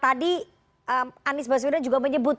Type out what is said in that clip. tadi anies baswedan juga menyebut